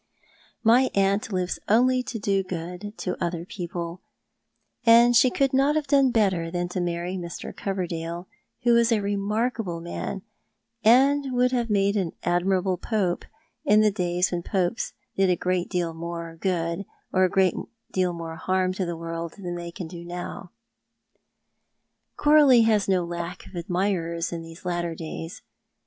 " Jly aunt lives only to do good to otiier people, and she could not have done better than marry Mr. Coverdale, who is a remarkable man, and would have made an admirable Pope, in tho days when Pojies did a great deal more good or a great deal more harm in the world than they can do now." Coralie has no lack of admirers in these latter days.